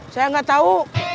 saya gak tau